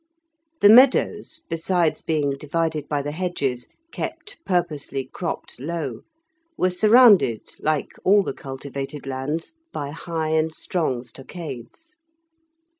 The meadows, besides being divided by the hedges, kept purposely cropped low, were surrounded, like all the cultivated lands, by high and strong stockades.